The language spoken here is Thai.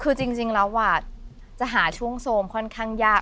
คือจริงแล้วจะหาช่วงโทรมค่อนข้างยาก